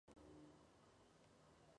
La portada del álbum fue rodada por John Mac.